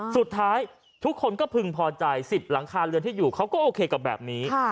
สุดท้ายทุกคนก็พึงพอใจ๑๐หลังคาเรือนที่อยู่เขาก็โอเคกับแบบนี้